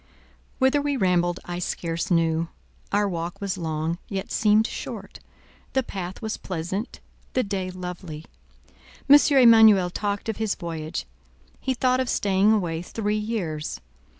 Whither we rambled, I scarce knew. Our walk was long, yet seemed short; the path was pleasant, the day lovely. M. Emanuel talked of his voyage—he thought of staying away three years.